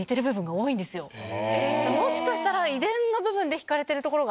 もしかしたら。